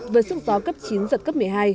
với sức gió cấp chín giật cấp một mươi hai